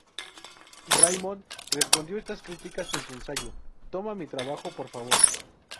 Raymond respondió a estas críticas en su ensayo "¡Toma mi trabajo, por favor!